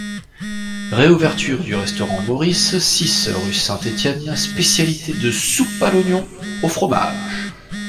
Réouverture du Restaurant Maurice, six, rue St-Etienne, spécialité de soupe à l'oignon, au fromage.